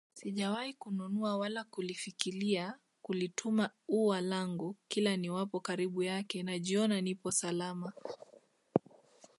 Sijawahi kununua wala kulifikilia kulituma ua langu kila niwapo karibu yake najiona nipo salama